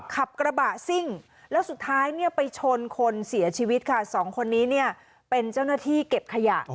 ขับกระบะซิ่งแล้วสุดท้ายเนี่ยไปชนคนเสียชีวิตค่ะสองคนนี้เนี่ยเป็นเจ้าหน้าที่เก็บขยะ